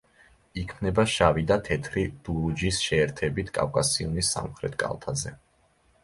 იქმნება შავი და თეთრი დურუჯის შეერთებით კავკასიონის სამხრეთ კალთაზე.